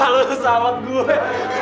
lo selamat gue